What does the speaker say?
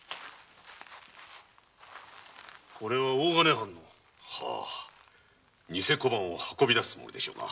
これは大金藩のニセ小判を運び出すつもりでしょうな。